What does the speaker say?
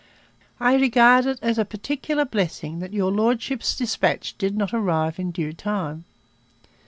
'I regard it as a particular blessing that your Lordship's dispatch did not arrive in due time.'